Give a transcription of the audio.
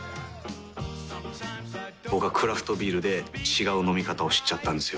僕はクラフトビールで違う飲み方を知っちゃったんですよ。